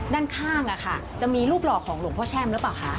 ด้านข้างจะมีรูปหล่อของหลวงพ่อแช่มหรือเปล่าคะ